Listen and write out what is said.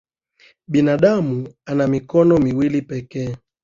Binadamu ana mikono miwili pekee